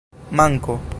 manko